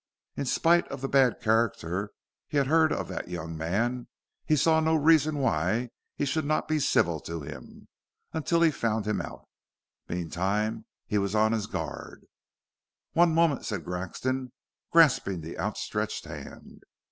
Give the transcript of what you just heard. In spite of the bad character he had heard of that young man, he saw no reason why he should not be civil to him, until he found him out. Meantime, he was on his guard. "One moment," said Grexon, grasping the outstretched hand.